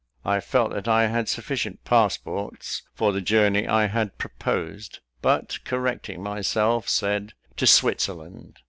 I felt that I had sufficient passports for the journey I had proposed; but correcting myself, said, "to Switzerland."